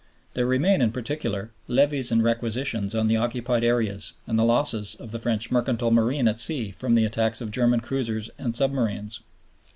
There remain, in particular, levies and requisitions on the occupied areas and the losses of the French mercantile marine at sea from the attacks of German cruisers and submarines.